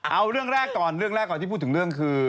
เอาเรื่องแรกก่อนเรื่องแรกก่อนที่พูดถึงเรื่องคือ